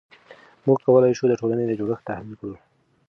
موږ کولای شو د ټولنې جوړښت تحلیل کړو.